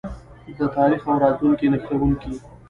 د تاریخ او راتلونکي نښلونکی.